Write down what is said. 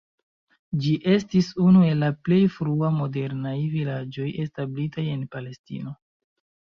Ĝi estis unu el la plej fruaj modernaj vilaĝoj establitaj en Palestino.